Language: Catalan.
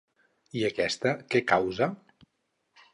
I aquesta què causa?